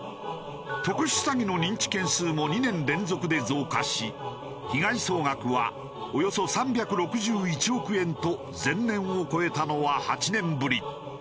特殊詐欺の認知件数も２年連続で増加し被害総額はおよそ３６１億円と前年を超えたのは８年ぶり。